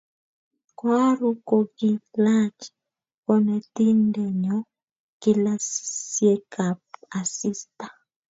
koaroo kokiilach konetindenyo kilasisyekab asista.